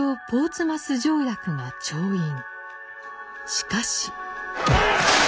しかし。